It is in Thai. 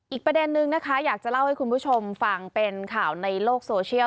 อีกประเด็นนึงนะคะอยากจะเล่าให้คุณผู้ชมฟังเป็นข่าวในโลกโซเชียล